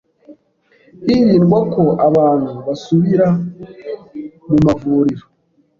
hirindwa ko abantu basubira mu mavuriro”.